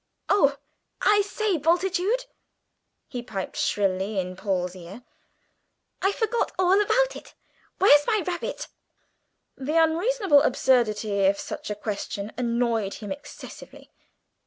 "Oh, I say, Bultitude," he piped shrilly in Paul's ear, "I forgot all about it. Where's my rabbit?" The unreasonable absurdity of such a question annoyed him excessively.